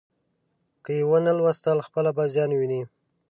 که یې ونه ولوستل، خپله به زیان وویني.